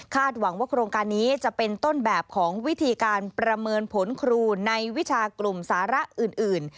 หวังว่าโครงการนี้จะเป็นต้นแบบของวิธีการประเมินผลครูในวิชากลุ่มสาระอื่น